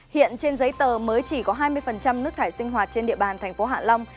hiện trên giấy tờ mới chỉ có hai mươi nước thải sinh hoạt trên địa bàn tp hạ long